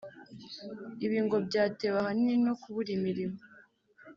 Ibi ngo byatewe ahanini no kubura imirimo